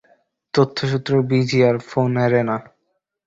তথ্যসূত্র বিজিআর, ফোনএরেনা।